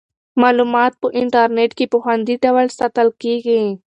معلومات په انټرنیټ کې په خوندي ډول ساتل کیږي.